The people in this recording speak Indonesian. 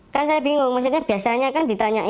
kan saya bingung maksudnya biasanya kan ditanyain ktp atau